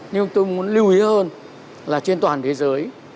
nhưng tôi muốn lưu ý hơn là trên toàn thế giới